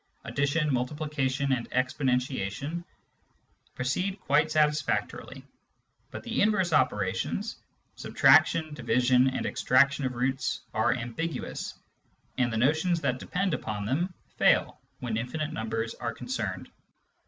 Addition, multiplication, and exponentiation proceed quite satisfactorily, but the inverse operations — subtraction, division, and extraction of roots — are ambiguous, and the notions that depend upon them fail when infinite numbers are concerned.